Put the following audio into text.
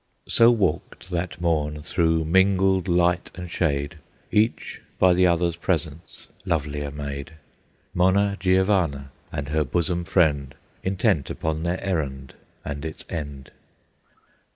So walked, that morn, through mingled light and shade, Each by the other's presence lovelier made, Monna Giovanna and her bosom friend, Intent upon their errand and its end.